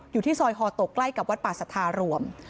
อยู่ที่ซอยฮอตกใกล้กับวัดป่าสัทธารวม